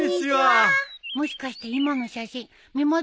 もしかして今の写真みま